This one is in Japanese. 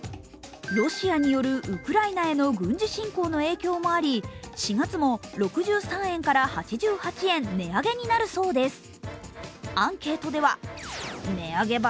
ロシアによるウクライナへの軍事侵攻の影響もあり、４月も６３円から８８円値上げになるそうです。